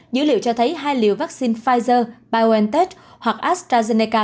dữ liệu cho thấy hai liều vaccine pfizer biontech hoặc astrazeneca